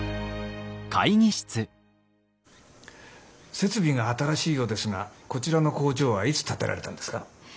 設備が新しいようですがこちらの工場はいつ建てられたんですか？